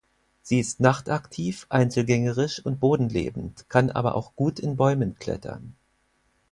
Sie ist nachtaktiv, einzelgängerisch und bodenlebend, kann aber auch gut in Bäumen klettern.